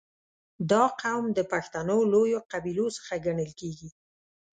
• دا قوم د پښتنو لویو قبیلو څخه ګڼل کېږي.